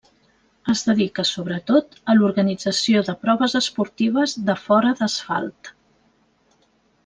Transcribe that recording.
Es dedica sobretot a l'organització de proves esportives de fora d'asfalt.